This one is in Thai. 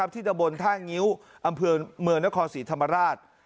ที่ตะบนท่างิ้วอำเภอเมืองนครศรีธรรมราช